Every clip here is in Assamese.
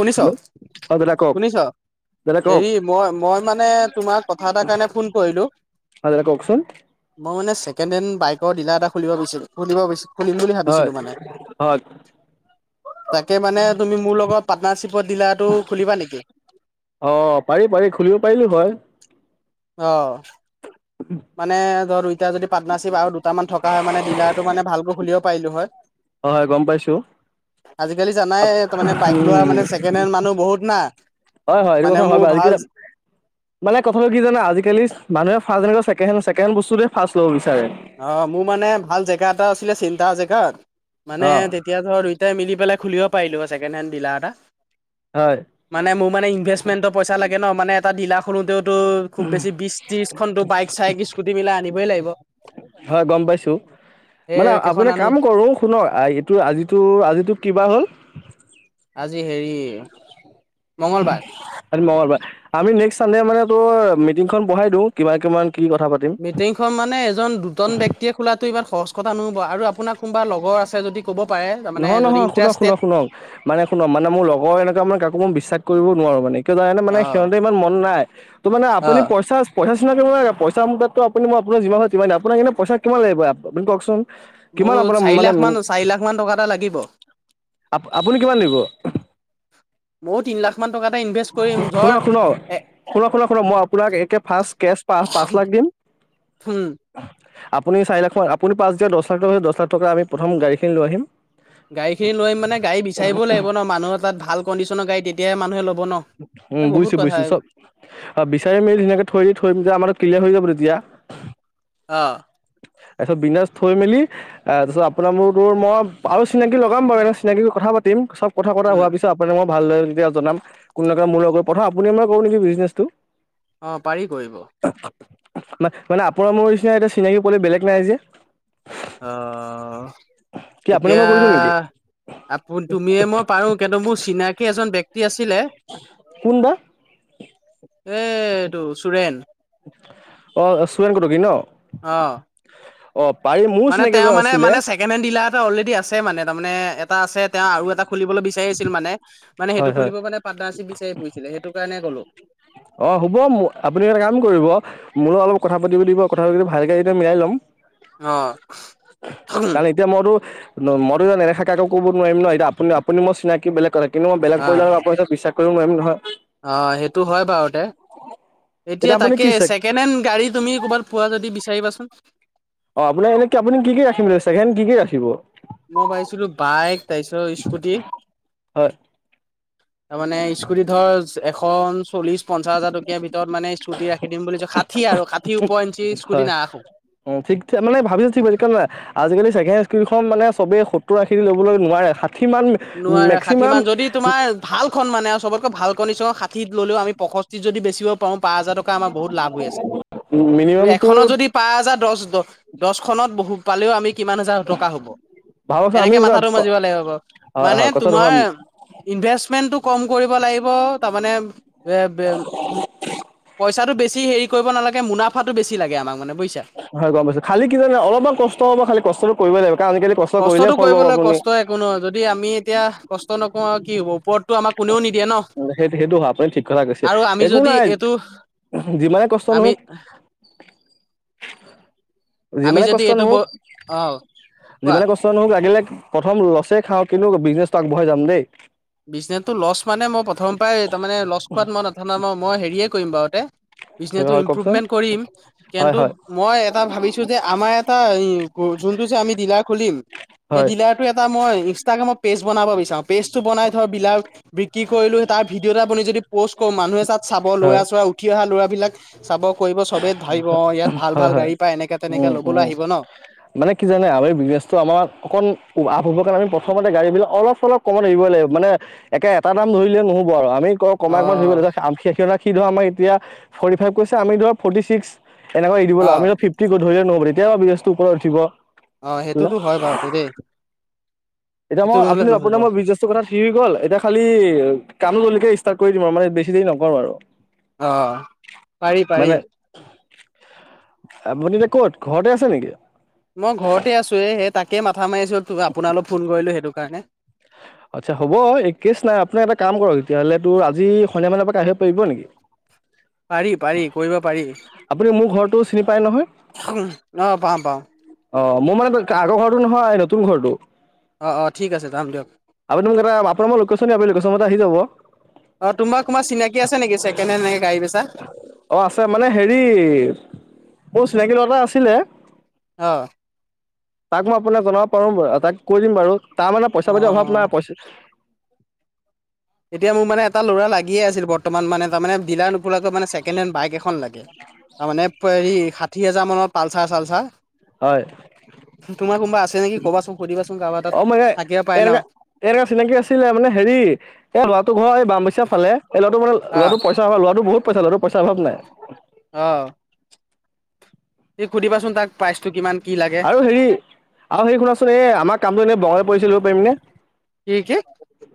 শুনিছ হেল্ল' অ দাদা কওক শুনিছ? দাদা কওক হেৰি মই মই মানে তোমাক কথা এটাৰ কাৰণে ফোন কৰিলো। হয় দাদা কওকচোন। মই মানে ছেকেণ্ড হেণ্ড বাইকৰ ডিলাৰ এটা খুলিব বি খুলিব খুলিম বুলি হয় ভাবিছিলো মানে। [inaudible] তাকে মানে তুমি মোৰ লগত পাৰ্টনাৰশিপ দিলাৰটো খুলিবা নেকি? অ পাৰি পাৰি খুলিব পাৰিলো হয় অ। মানে ধৰ দুইটা যদি পাৰ্টনাৰশিপ আৰু দুটামান থকা হয় মানে ডিলাৰটো মানে ভালকৈ খুলিব পাৰিলো হয়। হয় হয় গম পাইছো। আজিকালি জানাই তাৰমানে বাইক লোৱা উম মানে ছেকেণ্ড হেণ্ড মানুহ বহুত না। হয় হয় এইটো মানে কথা হয় মোৰ বাৰু ভাল আজিকালি মানে কথাটো কি জানা আজিকালি মানুহে ফাৰ্ষ্ট জেগাত ছেকেণ্ড ছেকেণ্ড ছেকেণ্ড বস্তুটোৱে ফাৰ্ষ্ট লব বিচাৰে। অ মোৰ মানে ভাল জেগা এটা আছিলে চেণ্টাৰ জেগাত মানে অ তেতিয়া ধৰ দুইটাই মিলি পেলাই খুলিব পাৰিলো হয় ছেকেণ্ড হেণ্ড ডিলাৰ এটা। হয় মানে মোৰ মানে ইনভেষ্টমেন্টৰ পইচা লাগে ন মানে এটা ডিলা খোলোতেও টো খুব বেছি বিশ ত্ৰিশ খনটো বাইক চাইক স্কুটি মিলাই আনিবই লাগিব। হয় গম পাইছো। মানে সেই কেইখন আপুনি আনো কাম কৰো শুনক এইটোৰ আজিটো আজিটোক কিবা হ'ল? আজি হেৰি মঙ্গলবাৰ। মঙগলবাৰ আমি নেক্সট চানডে মানে তো মিটিংখন বঢ়াই দিওঁ কিবা কিমান কি কথা পাতিম মিটিংখন মানে এজন দুজন ব্যক্তিয়ে খোলটো ইমান সহজ কথা নহ'ব আৰু আপোনাৰ কোনোবা লগৰ আছে যদি ক'ব পাৰে তাৰমানে নহয় যদি নহয় শুনক ইণ্টাৰেষ্টেড শুনক শুনক মানে শুনক মানে মোৰ লগৰ এনেকুৱা মানে কাকো মই বিশ্বাস কৰিব নোৱাৰো মানে। কি মানে অ' সিহঁতে ইমান মন নাই। ত মানে আপুনি অ' পইচা পা লাগ পইচা মুতাটো আপুনিই আপোন যিমান হয় যিমান দিম আপোনাক এনে পইচা কিমান লাগিব? আপুনি কওকচোন? কিমান মোৰ আপোনাৰ চাৰি মানে লাখ মান চাৰি লাখ মান কা এটা লাগিব! আপুনি কিমান দিব ময় তিনি লাখ মান টকা এটা ইনভেষ্ট কৰিম ধৰ শুনক শুনক এ শুনক শুনক শুনক মই আপোনাক একে ফাৰ্ষ্ট কেচ পা পাঁচ লাখ দিম। হম। আপুনি চাৰি লাখ ম আপুনি পাঁছ দিয় দশলাখ হৈছে দছ লাখ টকা আমি প্ৰথম গাড়ীখিন লৈ আহিম। গাড়ীখিনি লৈ আহিম মানে গাড়ী বিচাৰিব লাগিব ন মানুহ তাত ভাল কডিনৰ গাড়ী তেতিয়াহে মানুহে লব। ন এই উম বহুত বুইছো কথা বুইছো চব বিচাৰি মেলি ধুনীয়াকে থৈ দি থৈ আমাৰ ক্লিয়াৰ হৈ যাব তেতিয়া। অ' তাৰপিছত বিনাজ থৈ মেলি আহ তাৰপিছত আপোনালোক তোৰ মই আৰু চিনাকি লগাম বাৰু এনে চিনাকি কথা পা [unintelligible] কথা পতা উম, হোৱাৰ পিছত আপোনাক মই ভালদৰে তেতিয়া জনাম কোনো মোৰ লগৰ, প্ৰথম আপুনি মই কৰো নেকি বিজনেছটো? অ পাৰি কৰিব। ম মানে আপোনাৰ মোৰ নিচিনা এতিয়া চিনাকি পোৱ বেলেগ নাই যে। অ। কি আপুনি এতিয়া মই কৰি দিওঁ নেকি আপু তুমিয়ে মই পাৰো কিন্তু মোৰ চিনাকি এজন ব্যক্তি আছিলে, কোন বা এ টো চুৰেন। অ চুৰেন কতকী ন? অ অ পাৰি মোৰ মানে চিনাকি তেওঁ এজন মানে আছিলে মানে সেকেণ্ড হেণ্ড ডিলাৰ এটা অলৰেডি আছে মানে, তামানে এটা আছে তেওঁ আৰু এটা খুলিবলৈ বিচাৰি আছিল মানে। মানে সেইটো হয় হয় খুলিব মানে পাৰ্টনাৰশ্বিপ বিচাৰি ফুৰিছিলে সেইটো কাৰণে ক'লো। অ হুব আপুনি এটা কাম কৰিব মোৰো অলপ কথা পাতিব দিব কথা পাতি ভালকে এতিয়া মিলাই ল'ম। আহ। ন মইত এনে নেদেখাকে আক কব নোৱাৰিম ন এতিয়া আপু আপুনি মোক চিনাকি বেলেগ কথা কিন্তু মই বেলেগ অ পৰিয়ালৰ আক বিশ্বাস কৰিম নোৱাৰিম নহয়। অ সেইটো হয় বাৰুতে। এতিয়া আপুনি তাকে কি চেক ছেকেণ্ড হেণ্ড গাড়ী তুমি ক'ৰবাত পোৱা যদি বিচাৰিবাচোন। অ আপোনাৰ এনেকে আপুনি কি ৰাখিম ছেকেণ্ড কি কি ৰাখিব? মই পাইছিলো বাইক তাৰপিছত স্কুটি হয় তাৰ মানে স্কুটি ধৰ এখন চল্লিশ পঞ্চাচ হাজাৰ টকীয়া ভিতৰত মানে স্কুটি ৰাখি দিম বুলিছ ষাঠী আৰু ষাঠী উপৰ ইঞ্চি স্কুটি নাৰাখো। অ ঠিক ঠি মান ভাবিছো ঠিক [inaudible] আজিকালি যে খন মানে চবেই সত্তৰ আশীৰ ল'বলৈ নোৱাৰে সাত নোৱাৰ ষাঠি মান যদি তোমাৰ ভালখন মানে আৰু চবতকৈ ভাল কনি চ ষাঠিত ললেও আম পষষ্ঠি যদি বেছি পও পাঁচ হাজাৰ টকা আমাৰ বহুত লাভ হৈ আছে, বুলি মিনিমামটো এখনত যদি পাঁচ হাজাৰ দশ দ দছখনত বহু পালেও আমি কিমান হাজাৰ টকা হ'ব। ভাবকচোন আমি তেনেকে হয় মাথাটো মাৰিব লাগিব বাৰু। মানে হয় কথাটো হয় তোমাৰ ইনভেষ্ট মেণ্টটো কম কৰিব লাগিব তাৰ মানে বে বে পইচাটো বেছ চি হেৰি কৰিব নালাগে মুনাফাটো বেছি লাগে আমাক মানে বুজিছা। হয় গম পাইছোঁ খালি কি জানে, অলপমান কষ্ট হ'ব খালি কষ্টটো কৰিবই লাগিব। কাৰণ আজিকালি কষ্ট কৰিলে কষ্টটো ফল পাব কৰিবলৈ আপুনি কষ্ট একো নহয়। যদি আমি এতিয়া কষ্ট নকৰোঁ আৰু কি হ'ব ওপৰত। সেইটো সেইটো হয় আপুনি ঠিক কথা কৈছে আৰু আমি একো যদি নাই। এইটো যিমানে কষ্ট আমি নহওঁক আমি যিমানে যদি কষ্ট এইটো ব নহওঁক, অ কোৱা যিমানে কষ্ট নহওঁক লাগিলে প্ৰথম লছে খাওঁ কিন্তু বিজনেচটো আগবঢ়াই যাম দেই। বিজনেছটো লছ মানে মই প্ৰথম পৰাই তাৰমানে লছ খোৱাত মই মাথা নামাৰোঁ মই হেৰিয়ে কৰিম বাৰু‌ দে। বিজনেছটো হয় কওকচোন ইম্প্ৰুভমেণ্ট কৰিম হয় কিন্তু হয় মই এটা ভাবিছোঁ যে আমাৰ এটা যোনটো যে আমি ডিলাৰ খুলিম সেই হয় ডিলাৰটো এটা মই ইনষ্টাগ্ৰামত পেজ বনাব বিচাৰোঁ। পেজটো বনাই ধৰ ডিলাৰ বিক্ৰী কৰিলোঁ তাৰ ভিডিঅ' এটা বনাই যদি প'ষ্ট কৰোঁ মানুহে তাত চাব ল'ৰা হয় চ'ৰা উঠি অহা ল'ৰাবিলাক চাব কৰিব চবে ভাবিব অ ইয়াত ভাল হয় ভাল হয় গাড়ী পাই, এনেকা তেনেকা উম ল'বলৈ উম আহিব ন। মানে কি জানে আমি বিজনেচটো আমাৰ অকণ, লাভ হবৰ কাৰণে আমি প্ৰথমতে গাড়ী বিলাক অলপ অলপ কম লাগিব। মানে একে এটা দাম ধৰিলে নহ'ব আৰু আমি কমাই অ কমাই ধৰিব লাগে সেইবিলাক সি ধৰা আমাৰ এতিয়া ফৰ্টি ফাইভ কৈছে আমি ধৰা ফৰ্টি ছিক্স এনেকুৱা এৰি দিব অ লাগিব আমি ফিফটি ধৰিলে নহ'ব তেতিয়া বিজনেচটো ওপৰত উঠিব। অ সেইটোতো হয় বাৰু দেই। এতিয়া সেইটো মই নহলে আপুনি নহব আপুনাক মই বিজনেচটো কথা ঠিক হৈ গ'ল এতিয়া খালি এ কামো যেনেকা কৰি দিম আৰু মানে বেছি দেৰি নকৰোঁ আৰু। অ পাৰি মানে পাৰি। আপুনি এতিয়া ক'ত ঘৰতে আছে নেকি? মই ঘৰতে আছোঁ এ সেই তাকে মাথা মাৰিছোঁ আপোনালৈ ফোন কৰিলোঁ সেইটো কাৰণে। আচ্ছা হ'ব একেছ নাই আপুনি এটা কাম কৰক তেতিয়াহ'লে তো আজি সন্ধিয়া মানৰ পৰা আহিব পাৰিব নেকি? পাৰি পাৰি কৰিব পাৰি। আপুনি মোৰ ঘৰটো চিনি পায় নহয় চোহ অ পাৰম পাৰম। অ মোৰ মানে আগৰ ঘৰটো নহয় নতুন ঘৰটো। অঁ অঁ ঠিক আছে যাম দিয়ক। আপুনি মোক এটা আপোনাৰ মই লোকেশ্যন দিম আপুনি লোকেশ্যনতে আহি যাব অ তোমাৰ কোনোবা চিনাকি আছে নেকি ছেকেণ্ড হেণ্ড এনেকে গাড়ী বেচা? অ আছে মানে হেৰি মোৰ চিনাকি লৰা এটা আছিলে। অহ। তাক মই আপোনাক জনাব পাৰোঁ। বাৰু তাক কৈ দিম বাৰু তাৰ মানে অ পইচা পাতি অভাৱ নাই পইচা এতিয়া মোৰ মানে এটা ল'ৰা লাগিয়ে আছিল বৰ্তমান মানে। তাৰ মানে ডিলাৰ নোখোলাকৈ মানে ছেকেণ্ড হেণ্ড বাইক এখন লাগে। তাৰ মানে হেৰি ষাঠি হাজাৰ মানৰ পালচাৰ চালচাৰ। হয়। তোমাৰ কোনোবা আছে নেকি কবাচোন সুধিবাচোন কাৰোবা তাত থাকিব পাৰে ন। এনেকুৱা চিনাকি আছিলে, মানে হেৰি এই লৰাটো ঘৰ এই বামবৈচা ফালে এই ল'ৰাটো মানে ল'ৰাটো পইচা‌ ল'ৰাটো বহুত পইচা ল'ৰাটো পইচাৰ অভাৱ নাই। অহ। এনে সুধিবাচোন তাক প্ৰাইচটো কিমান। কি লাগে আৰু হেৰি আৰু হেৰি শুনাচোন এ আমাৰ কামটো এনেই বঙাই পৰি চলিব পাৰিম নে? কি কি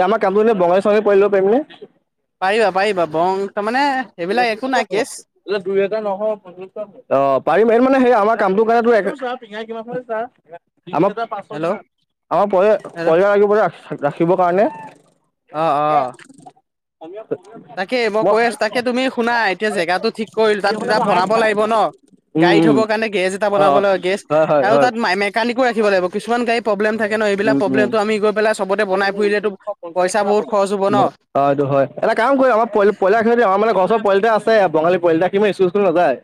এ আমাৰ কামটো এনে বঙালী‌ ছোৱালী পোৱালী ল'ব পাৰিম নে? পাৰিবা পাৰিবা বংগ তাৰ মানে। [unintelligible] অ পাৰিম সেইটো মানে সেই আমাৰ কামটো। [unintelligible] আমাক প হেল্ল' আমাৰ [unintelligible] হেল্ল' লাগিব যে ৰাখিবৰ কাৰণে। অহ অহ। তাকে মই কৈ আছো তাকে তুমি শুনা এতিয়া জেগাটো ঠিক কৰিল তাত এয়া বনাব লাগিব ন। উম গাড়ী উম থ'বৰ কাৰণে গেছ এটা অ বনাব লাগিব গেছ হয় হয় আৰু হয় তাত মেকানিকো ৰাখিব লাগিব কিছুমান গাড়ী প্ৰব্লেম। থাকে ন, এইবিলাক উম উম প্ৰবলেম আমি গৈ পেলাই চবতে বনাই ফুৰিলেতো পইচা বহুত খৰচ হ'ব ন। অ এইটো হয় [unintelligible] আমাৰ মানে ঘৰৰ ওচৰ পোৱালী এটা আছে বঙালী পোৱালী এটা সি মানে স্কুল চিস্কুল নাযায়।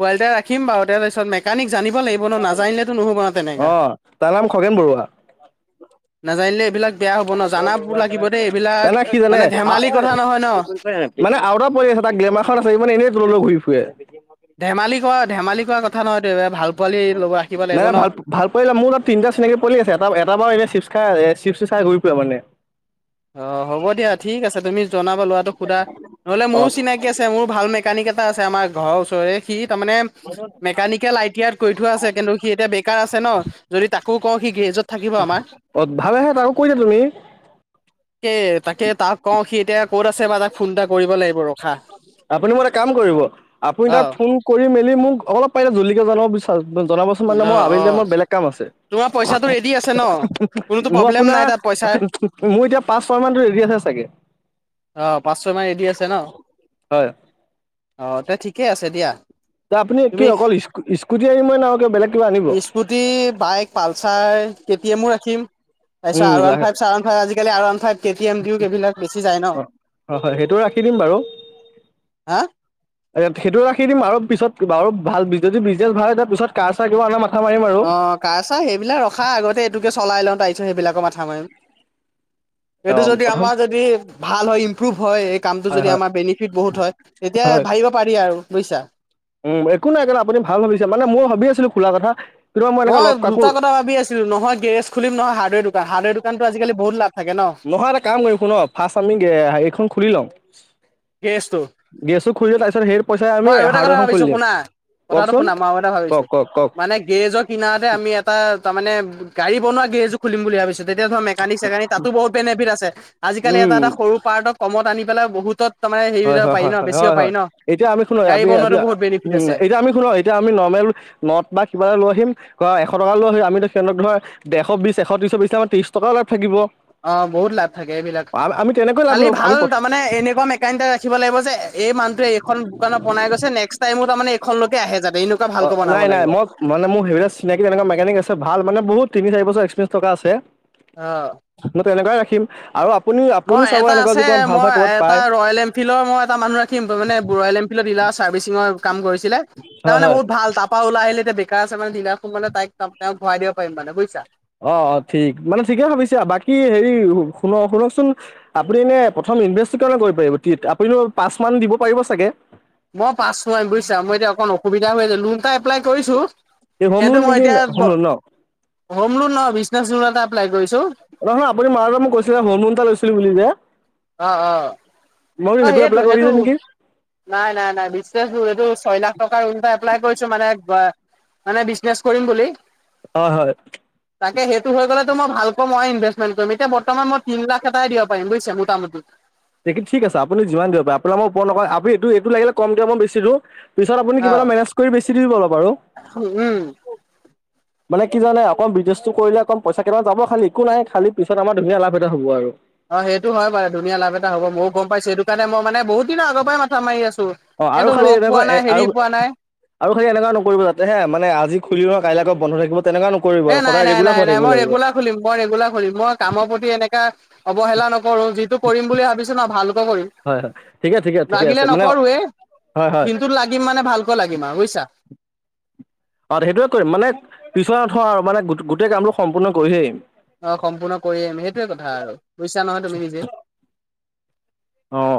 পোৱালি এটা ৰাখিম বাও। তাৰপিছত মেকানিক জানিব লাগিব ন নাজানিলেতো নহ'ব ন অ তেনেকা। তাৰ নাম খগেন বৰুৱা। নাজানিলে এইবিলাক বেয়া হ'ব ন জানাবোৰ লাগিব দেই [unintelligible] এইবিলাক মানে কি জানে আ ধেমালি কথা নহয় ন [inaudible] মানে আও এটা পোৱালি আছে। টা গ্লেমাখন আছে ই মানে এনেই দূৰলৈ ঘূৰি ফুৰে। ধেমালি খোৱা ধেমালি খোৱা কথা নহয় ত ভাল। পোৱালি ল'ব ৰাখিব লাগিব নাই ন ভাল ভাল কৰিলে মোৰ তাত তিনিটা চিনাকি পোৱালি আছে এটা এটা বাৰু এ চিপ খাই আছে। চাই ঘূৰি ফুৰে মানে। অ হ'ব দিয়া ঠিক আছে তুমি জনাবা লৰাটো সুধা, নহলে অ মোৰো চিনাকি আছে মোৰ ভাল মে কানী কেইটা আছে আমাৰ ঘৰৰ ওচৰৰে সি। মেকানিকেল আই টি কৰি থোৱা আছে কিন্তু সি এতিয়া বেকাৰ আছে ন যদি তা ক কওঁ সি গেজত। অ ভালেহে তাক কৈ দে তুমি। তাকে তাকে তাক কওঁ সি এতিয়া ক'ত আছে বা তাক ফোন এটা কৰিব লাগিব ৰ। আপুনি মতে এ কাম কৰিব আপুনি অ তাক ফোন কৰি মেলি মোক। অলপ পাৰিলে জ্লিকে জনাব বিচাৰো জনাব চোন। মানে অ মই আবেলি অ টাইমত বেলেগ কাম আছে। তোমাৰ পইচাটো ৰেডি আছে ন কোনোতো [unintelligible] মোৰ প্ৰব্লেম আপোনাৰ নাই তাত পইচাৰ মোৰ এতিয়া পাঁচশয় মানত ৰেডি আছে। চাগে। অ পাঁচ ছয়মান ৰেডী আছে ন। হয়। অ তে ঠিকে আছে দিয়া। ত আপুনি কি তুমি অকল স্কুটি আনিব না আৰু কিবা বেলেগ কিবা আনিব? Scooty bike Pulsar K T এমো ৰাখিম। তাৰপিছত উম, আৰ ওৱান অ', ফাইভ চাৰ ওৱান ফাইভ আজিকালি R one five K T M Dio এইবিলাক বেছি যায় ন। হয়, হয় সেইটো ৰাখি দিম বাৰু। হা। সেইটো ৰাখি দিম আৰু পিছত আৰু ভাল যদি বিজনেছ ভাল তাৰ পিছত কাৰ চাহ কিবা আনা মা অ কা চাহ সেইবিলাক ৰখাৰ আগতে এইটোকে চলাই লওঁ তাৰপিছত সেইবিলাকো মাথা মাৰিম। [unintelligible] এইটো যদি প্ৰথম আমাৰ যদি ভাল হয় ইম্প্ৰুভ হয় এই কামটো হয়, যদি হয়, আমাৰ বেনিফিট বহুত হয় তেতিয়া হয় ভাই। দ পাৰি আৰু বুইছা। উম একো নাই এককাৰণে আপুনি ভাল ভাবিছে মানে মই ভাবি আছিলো খোলা কথা। কিন্তু এনেকে মই লগ কাকো দুটা কথা ভাবি আছিলো নহয় গেজ খুলিম নহয় হাৰ্ডৱেৰ। দোকান হাৰ্ডৱেৰ দোকানতো আজিকালি বহুত লাভ থাকে ন নহয় এটা কাম কৰি শুন ফাৰ্ষ্ট আমি হেখন খুলি লম। গেৰেজটো গেছো খুলিলো তাৰ পিছত সেই পইচা আমি মই আৰু এটা হাৰাৰ কথা এখন খুলি ভাবিছো দিম। শুনা কথাটো কওকচোন শুনাম আৰু এটা ভাবিছো কওক, কওক, কওক মানে গেজৰ কিনাৰতে আমি এটা তাৰমানে। গাড়ী বনোৱা গেজ জো খুলিম বুলি ভাবিছো। তেতিয়া ধৰ মেকানিক চেকানিক তাতো বহুত বেনিফিট আছে আজিকালি এটা উম, এটা সৰু পাৰ্টত কম আনি পেলাই বহুত। হয় হয় হয় হয় হয় হয় এতিয়া আমি শুনো আ আ গাড়ী বনোৱাতো বহুত উ বেনিফিট আছে এতিয়া আমি শুনো এতিয়া আমি নৰ্মেল। নট বা কিবা এটা লৈ আহিম ঘৰত এ। ছ টকা লৈ হয় আমি সহঁত ধৰশ বিশ এশত্ৰিচ বিশ আমাৰ ত্ৰি টকাত থাকিব। অঁ বহুত লাভ থাকে এইবিলাক আম আমি তেনেকৈ লাভ খালী ল'ম ভাল আমি প্ৰথ তাৰমানে এনেকুৱা মেকাইণ্ট ৰাখিব লাগিব যে। এই মানুহোৱ এইখনোকানত বনাইছে নেকস টাইমো তাৰে এইখনকলকে আহে যাতে এনে। অ নাই নাই মই মানে মোৰ সেইবিলাক চিনাকি তেনেকুৱা মেকানিক আছে ভাল। মান বহুত তিনি চাৰিছৰ এক্পিৰিয়ন্ঞ্চথকা আছে। অহ। তেনেকাই ৰাখিম। আৰু আপুনি আপুনি মই চাব এটা এনেকুৱা আছে যদি ক'ৰবাত ভাল মই চাল ক'ৰবাত এটা পায় ৰয়েল এনফিল্ডৰ মই এটা মানুহ ৰাখিম মানে ৰয়েল এনফিল্ডৰ ডিলাৰ আছে। ছাৰ্বিচিন ৰ কাম কৰিছিলে হয় তাৰমানে হয় বহুত ভাল। তাৰপৰা ওলাই আহিল বেকাৰ আছে মানে ঢিলা সোম মে তাইক তেওঁ ভৰাই দ পাৰিম মানে বুজিছা। অ, অ ঠিক মানে ঠিকে ভাবিছা বাকী হেৰি শুন শুনকচোন আপুনি এনে প্ৰথম। নভে আপুনি পাঁচ মান দিব পাৰিব চাগে। মই পাছোৱাৰম বুজিছা। মই এতিয়া অকণ অসুবিধা হৈ আছে লোন এটা এপ্লাই কৰিছো। এই হোম লোন কিন্তু মই নেকি হোম এতিয়া, লোন ন হোম লোন বিজনেচ লোন এটা এপ্লাই কৰিছো। নহয় আপুনি মাৰ পৰা মোক কৈছিলে লোন লৈছিলো বুলি যে। অ, অ, মই বোলো অ সেইটো এপ্লাই সেইটো কৰিছে নেকি নাই, নাই, নাই বিশ্ব এইটো ছয় লাখ টকাৰ ৰুণ এপ্লাই কৰিছো মানে। মানে বিজনেচ কৰিম বুলি। হয়, হয়। তাকে সেইটো হৈ গ'লেত মই ভালকৈ মই ইনভেষ্টমেন্ট কৰিম। এতিয়া বৰ্তমান মই তিন লাখ এটাই দিব পাৰিম, বুজিছে মোটামুটি। ঠিক আছে আপুনি যিমান দিব পাৰে আপোনাৰ মই ওপ নক আপুনি এইটো লাগিলে কম দিয় মই বেছি দিও। পিছত আপুনি কিবা এটা অ' মেনেজ কৰি বেছি দিব আৰু। উম। মানে কি জানে অকণ বিজনেছটো কৰিলে ক পইচা কেইটা যাব খালি, একো নাই খালি পিছত আমাৰ ধুনীয়া লাভ এটা হ'ব আৰু। অ, সেইটো হয়াৰু ধুনীয়া লাভ এটা হ'ব ময়ো গম পাইছ সেইটো কাৰণে মই মানে বহুত দিনৰ আগৰ পৰাই মথা মাৰি আছো। অ, আৰু কিন্তু খালি লগ পোৱা এনেকুৱৈ এ নাই হেৰি আৰু। পোৱা নাই আৰু খালি এনেকুৱা নকৰিব যাতে হে মানে আজি খুলিল নহয় কাইলৈ আকৌ। বন্ধ থাকিব তেনেকুৱা নকৰিব এ, আৰু নাই, সদায় নাই, ৰেগুলাৰ নাই, হৈ নাই থাকিব মই লাগিব ৰেগুলাৰ খুলিম মই ৰেগুলাৰ খুলিম মই কামৰ প্ৰতি এনেকা। অৱহেলা নকৰো। যিটো কৰিম বুলি ভাবিছো ন ভালকে কৰিম। হয় হয় ঠিকে ঠিকে ঠিকে লাগিলে আছে মানে নকৰোৱে হয় হয় দিনটোত লাগিম মানে ভালকৈ লাগিম আৰু বুজিছা। অ, সেইটোৱে কৰিম মানে পিছলৈ নথ আৰু মানে গোটেই কামটো সম্পূৰ্ণ কৰিহে এৰিম। অ, সম্পূৰ্ণ কৰি আহিম সেইটোৱে কথা আৰু বুজিছা নহয় তুমি নিজে। অহ।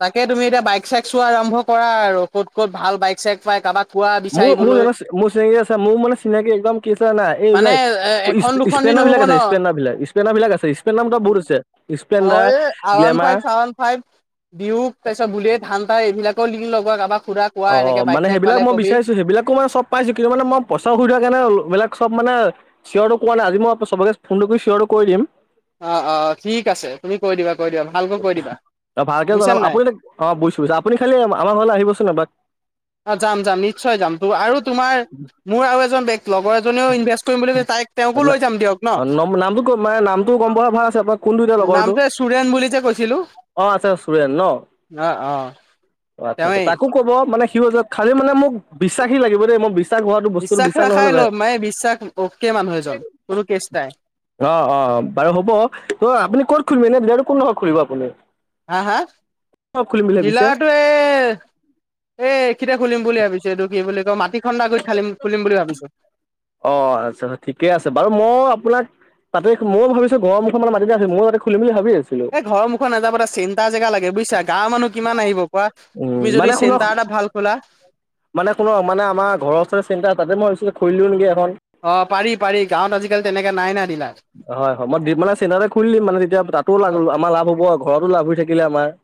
তাকে তুমি এতিয়া বাইক চাইক চোৱা আৰম্ভ কৰা আৰু ক'ত-ক'ত ভাল বাইক চাইক পাই কাৰোবাক। কোৱা মোৰ, মোৰ, বিচাৰিবলৈ মোৰ চিনাক আছে মোৰ মানে চিনাকি একদম কি আছে জানা মানে এইবিলাক এ এখন দুখন দি ইছপেলেনদাৰ নহ'ব বিলাক ন আছে ইছপেলেনদাৰ বিলাক ইছপেলেনদাৰ বিলাক আছে ইছপেলেনদাৰ নামত বহুত আছে স্প্লেণ্ডাৰ, গ্লেমাৰ। বিওঁ তাৰিছত বোলেত, হান্ত এইবিলাকও ল লিক লগোৱা কাৰোবাক। সুধা কোৱা অ, এনেকে বাইক মানে চাইক সেইবিলাক পালে মই কবি বিচাৰিছো সেইবিলাকো মানে চব পাইছো কিন্তু মানে মই পইচা অসুবিধা থোৱা কাৰণেবিলাক চব মানে। চিঞৰটো কোৱা নাই আজি মই চবকে ফোনটো কৰি চিঞৰটো কৰি দিম। অ, অ ঠিক আছে, তুমি কৈ দিবা। কৈ দিবা ভালকৈ কৈ দিবা অ, ভালকে বুজিছা জনাব নাই আপুনি এ অ বুইছো আপুনি খালি আমাৰ ঘৰলৈ আহিব চোনবাক। অ, যাম-যাম নিশ্চয় যাম ত আৰু তোমাৰ মোৰ আৰু এজন ব্যত্তি। লগৰ এজনেও ইনভেষ্ট কৰিম বুলি কৈছে। তাইক-তেওঁকো না লৈ যাম দিয়ক ন? নামটো মানে নামটো গম পোৱা ভাল আছে আপোনাৰ কোনটো এতিয়া লগৰটো নামটো এ চুৰেন বুলি যে কৈছিলো। অ' আচ্ছা চুৰেন ন? না অ'। অ', আচ্ছা। তেওঁৱেই তাকো ক'ব মানে [unintelligible] খালি মানে মোক বিশ্বাসী লাগিব দেই। মই বিশ্বাস হোৱাতো বস্তুটো বিশ্বাস নহ'লে ৰাখাই লয় বেয়া- মানে বিশ্বাস অকে মানুহ এজন। কোনো কেচ নাই। অ', অ' বাৰু হ'ব। ত আপুনি ক'ত খুলিব মানে এনে ডিলাৰতো কোনডোখৰত খুলিব আপুনি? হা, হা? ক'ত খুলিম বুলি ভাবিছে ডিলাৰতো এ এখিতে খুলিম বুলি ভাবিছো, এইটো কি বুলি ত মাটি খন্দা গুৰিত খালিম, খুলিম বুলি ভাবিছো। অ', আচ্ছা আচ্ছা ঠিকে আছে। বাৰু মই আপোনাক তাতে ময়ো ভাবিছোঁ, ঘৰৰ মুখত অলপ মাটি দিয়া আছে। ময়ো তাতে খুলিম বুলি ভাবো। এই ঘৰ মুখত নাযাব এটা চেণ্টাৰ জেগা লাগে বুজিছা। গাঁৱৰ মানুহ কিমান আহিব কোৱা? উম তুমি মানে যদি শুনক চেণ্টাৰ এ ভাল খোলা মানে তোমাৰ মানে আমাৰ ঘৰৰ ওচৰতে চেণ্টাৰ, তাতে মই খুলি দিও নেকি এখন! অ' পাৰি পাৰি। গাঁৱত আজিকালি তেনেকে নাই ন ডিলাৰ! হয় হয়, মই মানে চেণ্টাৰ এটা খুলি দিম মানে। তেতিয়া তাতো লাগ আমাৰ লাভ হ'ব ঘৰতো লাভ হৈ থাকিলে আমাৰ।